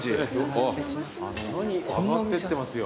上がってってますよ。